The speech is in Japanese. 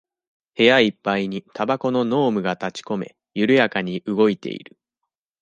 部屋いっぱいにタバコの濃霧がたちこめ、ゆるやかに動いている。